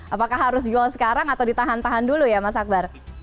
apakah harus gol sekarang atau ditahan tahan dulu ya mas akbar